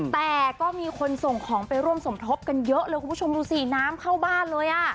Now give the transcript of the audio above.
แต่ก็มีคนส่งของไปร่วมสมทบกันเยอะเลยคุณผู้ชมดูสิน้ำเข้าบ้านเลยอ่ะ